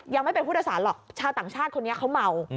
ยังไม่เป็นผู้โดยสารหรอกชาวต่างชาติคนนี้เขาเมา